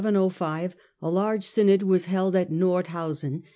On May 20 a large synod was held at Nordhausen.